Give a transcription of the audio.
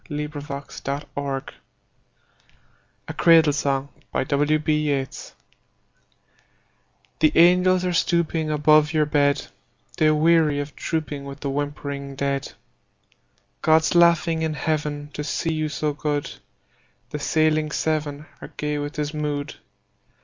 William Butler Yeats A Cradle Song THE angels are stooping Above your bed; They weary of trooping With the whimpering dead. God's laughing in Heaven To see you so good; The Sailing Seven Are gay with his mood.